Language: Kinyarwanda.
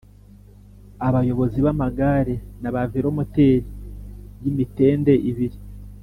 abayobozi b'amagare n'aba velomoteri y'imitende ibiri.